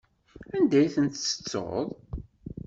Anda i tent-tettuḍ?